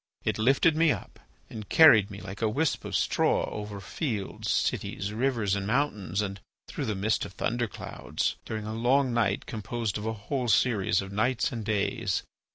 It lifted me up and carried me like a wisp of straw over fields, cities, rivers, and mountains, and through the midst of thunder clouds, during a long night composed of a whole series of nights and days.